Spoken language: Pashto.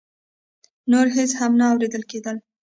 نور هېڅ هم نه اورېدل کېدل.